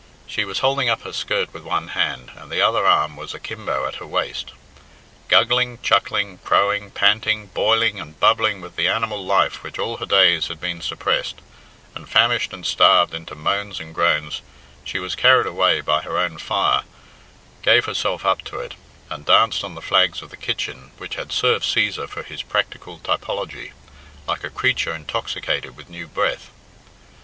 She was holding up her skirt with one hand, and the other arm was akimbo at her waist. Guggling, chuckling, crowing, panting, boiling, and bubbling with the animal life which all her days had been suppressed, and famished and starved into moans and groans, she was carried away by her own fire, gave herself up to it, and danced on the flags of the kitchen which had served Cæsar for his practical typology, like a creature intoxicated with new breath.